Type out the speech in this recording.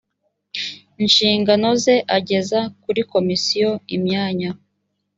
nshingano ze ageza kuri komisiyo imyanya